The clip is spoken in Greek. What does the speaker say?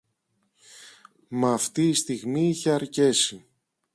Μ' αυτή η στιγμή είχε αρκέσει.